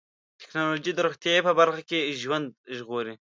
ټکنالوجي د روغتیا په برخه کې ژوند ژغوري.